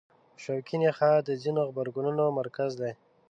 شوکي نخاع د ځینو غبرګونونو مرکز دی.